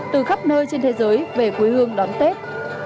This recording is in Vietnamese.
từ khắp nơi trên thế giới về quê hương đón tết